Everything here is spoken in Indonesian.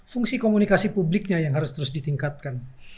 fungsi komunikasi publiknya yang harus terus ditingkatkan